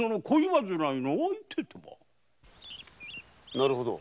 なるほど。